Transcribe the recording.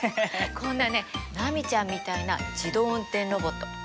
こんなね波ちゃんみたいな自動運転ロボット